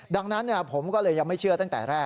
แล้วก็เรียกเพื่อนมาอีก๓ลำ